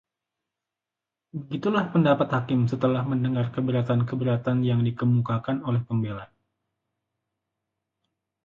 begitulah pendapat hakim setelah mendengar keberatan-keberatan yang dikemukakan oleh pembela